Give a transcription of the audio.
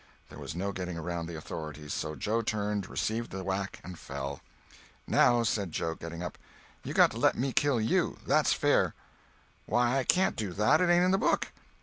There was no getting around the authorities, so Joe turned, received the whack and fell. "Now," said Joe, getting up, "you got to let me kill you. That's fair." "Why, I can't do that, it ain't in the book."